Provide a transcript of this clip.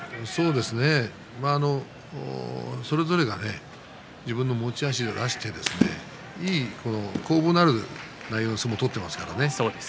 それぞれが自分の持ち味を出していい攻防のある内容の相撲を取っていますからね。